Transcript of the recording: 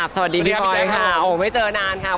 สวัสดีพี่ป๊อตไม่เจอนานคะ